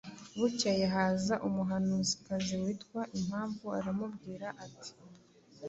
Bukeye haza umuhanuzikazi witwa Impamvu, aramubwira ati:"